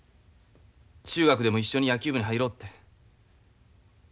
中学でも一緒に野球部に入ろうって。